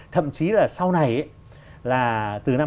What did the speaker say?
thậm chí là sau này là từ năm hai nghìn hai